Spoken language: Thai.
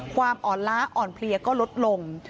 ความอ่อนล้าอ่อนเพลียก็ลดลง